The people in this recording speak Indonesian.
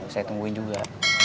saya tungguin juga